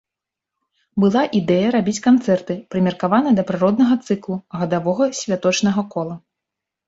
Была ідэя рабіць канцэрты, прымеркаваныя да прыроднага цыклу, гадавога святочнага кола.